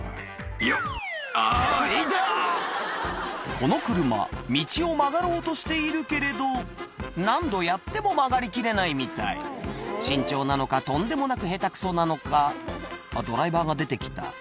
この車道を曲がろうとしているけれど何度やっても曲がりきれないみたい慎重なのかとんでもなく下手クソなのかあっドライバーが出てきた